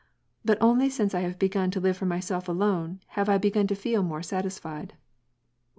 But only since I have begun to live for myself alone, have I begun to feel more satisfied."